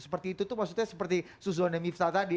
seperti itu tuh maksudnya seperti suzo nemifta tadi